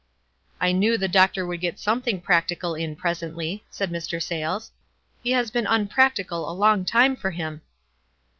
" "I knew the doctor would get something practical in presently," said Mr. Sayles. "He has been unpractical a long time for him."